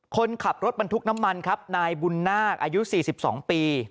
คนขับรถบรรทุกน้ำมันครับนายบุญนาคอายุ๔๒ปี